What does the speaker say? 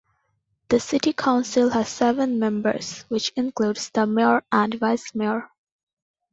The city council has seven members, which includes the mayor and vice-mayor.